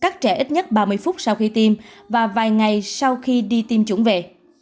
ba mươi phút sau khi tiêm và vài ngày sau khi đi tiêm chủng về